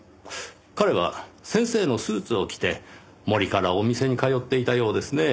彼は先生のスーツを着て森からお店に通っていたようですねぇ。